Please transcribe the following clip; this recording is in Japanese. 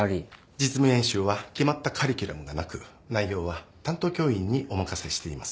実務演習は決まったカリキュラムがなく内容は担当教員にお任せしています。